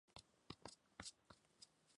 Bandera e Himno de La Mancha